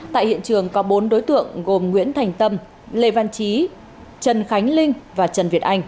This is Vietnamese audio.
tại hiện trường có bốn đối tượng gồm nguyễn thành tâm lê văn trí trần khánh linh và trần việt anh